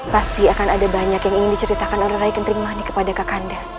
pasti akan ada banyak yang ingin diceritakan oleh regen tringmanik kepada kakanda